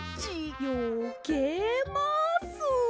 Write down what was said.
よけます！